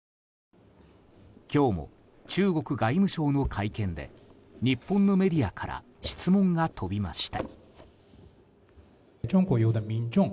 今日も中国外務省の会見で日本のメディアから質問が飛びました。